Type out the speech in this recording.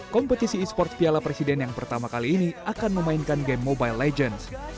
kompetisi e sports piala presiden yang pertama kali ini akan memainkan game mobile legends